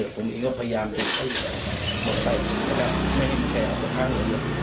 ผมเองก็พยายามให้หมดไปไม่ให้ขยะตบค้างอยู่แล้ว